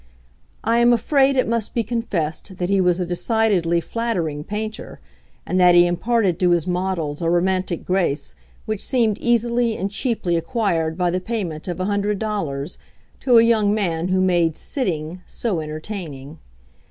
I am afraid it must be confessed that he was a decidedly flattering painter, and that he imparted to his models a romantic grace which seemed easily and cheaply acquired by the payment of a hundred dollars to a young man who made "sitting" so entertaining.